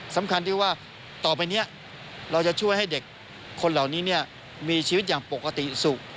สำคัญที่ว่าต่อไปนี้เราจะช่วยให้เด็กคนเหล่านี้มีชีวิตอย่างปกติสุข